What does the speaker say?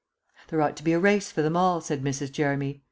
"There ought to be a race for them all," said Mrs. Jeremy.